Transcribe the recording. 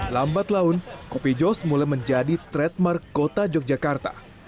lambat laun kopi jos mulai menjadi trademark kota yogyakarta